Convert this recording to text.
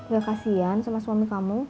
gak kasian sama suami kamu